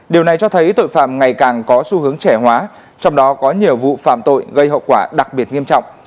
điều này cho thấy tội phạm ngày càng có xu hướng trẻ hóa trong đó có nhiều vụ phạm tội gây hậu quả đặc biệt nghiêm trọng